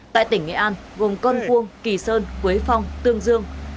tại tỉnh nghệ an gồm cơn quông kỳ sơn quế phong tương dương